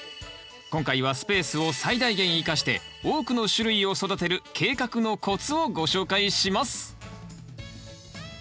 今回はスペースを最大限生かして多くの種類を育てる計画のコツをご紹介します。